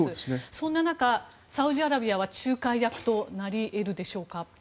そんな中、サウジアラビアは仲介役となり得るでしょうか？